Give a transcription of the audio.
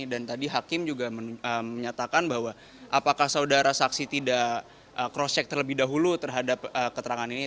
dan tadi hakim juga menyatakan bahwa apakah saudara saksi tidak crosscheck terlebih dahulu terhadap keterangan ini